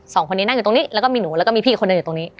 สองคนนี้นั่งอยู่ตรงนี้แล้วก็มีหนูแล้วก็มีพี่อีกคนนึงอยู่ตรงนี้